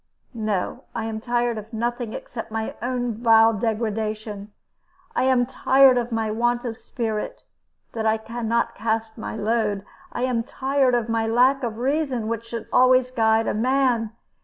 "No, I am tired of nothing, except my own vile degradation. I am tired of my want of spirit, that I can not cast my load. I am tired of my lack of reason, which should always guide a man.